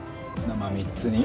生３つに？